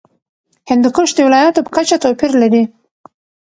هندوکش د ولایاتو په کچه توپیر لري.